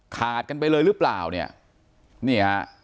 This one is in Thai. ขาดกันไปเลยหรือเปล่าเนี่ยนี่ฮะ